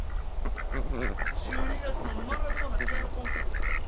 １２月のマラドーナピアノコンクール。